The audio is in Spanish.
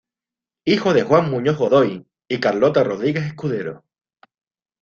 Hijo de Juan Muñoz Godoy y Carlota Rodríguez Escudero.